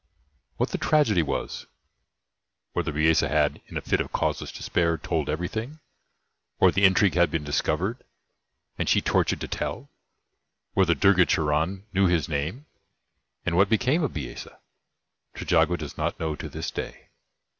What the tragedy was whether Bisesa had, in a fit of causeless despair, told everything, or the intrigue had been discovered and she tortured to tell, whether Durga Charan knew his name, and what became of Bisesa Trejago does not know to this day.